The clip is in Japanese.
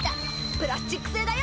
プラスチック製だよ！